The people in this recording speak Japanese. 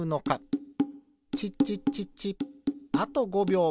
チッチッチッチッあと５びょう。